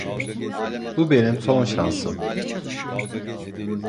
Bu benim son şansım.